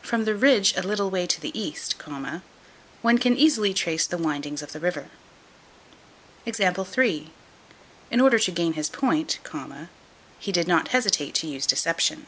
From the ridge a little way to the east, one can easily trace the windings of the river. In order to gain his point, he did not hesitate to use deception.